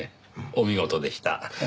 お見事でした。